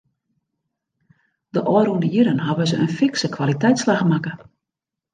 De ôfrûne jierren hawwe se in fikse kwaliteitsslach makke.